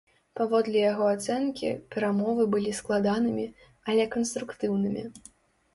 Паводле яго ацэнкі, перамовы былі складанымі, але канструктыўнымі.